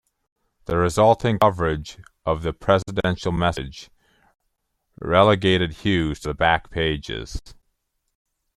The resulting coverage of the presidential message relegated Hughes to the back pages.